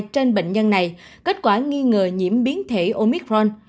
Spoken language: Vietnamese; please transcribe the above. trên bệnh nhân này kết quả nghi ngờ nhiễm biến thể omicron